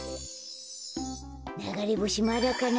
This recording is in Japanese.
ながれぼしまだかな。